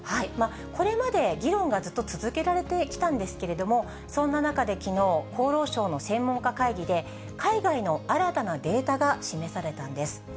これまで議論がずっと続けられてきたんですけども、そんな中できのう、厚労省の専門家会議で、海外の新たなデータが示されたんです。